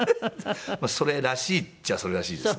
それらしいっちゃそれらしいですね。